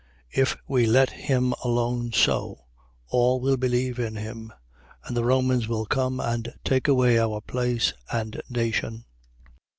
11:48. If we let him alone so, all will believe in him; and the Romans will come, and take away our place and nation.